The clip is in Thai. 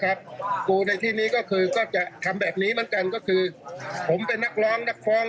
กูในที่นี้ก็จะทำแบบนี้เหมือนกันผมเป็นนักร้องนักฟ้อง